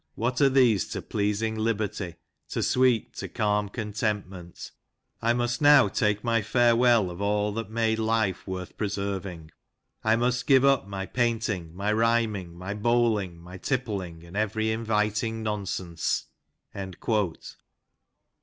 what are these to pleasing liberty, to sweet, to calm contentment ? I must now take my farewell of all that made life worth preserving ; I must give up my painting, my rhyming, my bowHng, my tippling, and every inviting nonsense."